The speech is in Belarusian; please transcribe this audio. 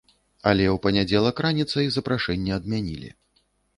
Але ў панядзелак раніцай запрашэнне адмянілі.